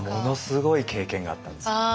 ものすごい経験があったんですよ。